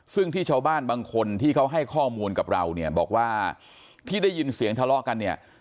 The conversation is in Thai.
ซึ่งที่ชาวบ้านบางคนที่เขาให้ข้อมูลกับเราเนี่ยบอกว่าที่ได้ยินเสียงทะเลาะกันเนี่ย